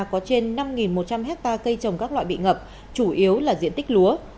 có trên năm một trăm linh hectare cây trồng các loại bị ngập chủ yếu là diện tích lúa